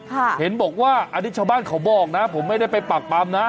เห็นบอกว่าอันนี้ชาวบ้านเขาบอกนะผมไม่ได้ไปปากปำนะ